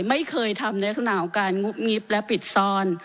ไม่เคยทำในลักษณะของการงุบงิบและปิดซ่อน